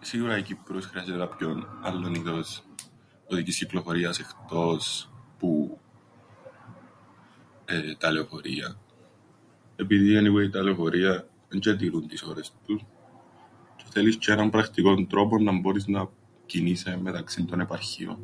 Σίουρα η Κ΄υπρος χρειάζεται κάποιον άλλον είδος οδικής κυκλοφορίας εχτός που τα λεωφορεία. Επειδή anyway τα λεωφορεία έντζ̆ε τηρούν τες ώρες τους, τζ̆αι θέλεις τζ̆αι έναν πρακτικόν τρόπον να μπόρεις να κινείσαι μεταξ΄υν των επαρχιών.